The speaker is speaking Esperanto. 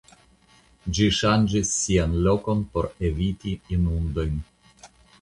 Ĝi ŝanĝis sian lokon por eviti inundojn.